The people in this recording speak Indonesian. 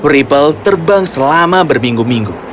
ripple terbang selama berminggu minggu